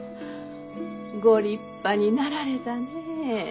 ご立派になられたねえ。